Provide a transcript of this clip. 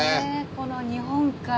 この日本海。